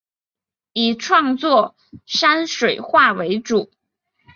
以创作山水画为主。